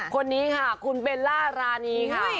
คนนี้ค่ะคุณเบลล่ารานีค่ะ